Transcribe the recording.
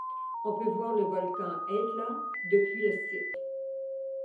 On peut voir le volcan Hekla depuis le site.